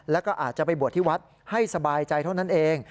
แล้วก็อาจจะไปบวชที่วัดให้สบายใจเท่านั้นเอง